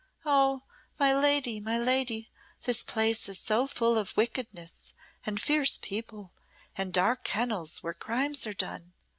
Oh! my lady, my lady, this place is so full of wickedness and fierce people and dark kennels where crimes are done.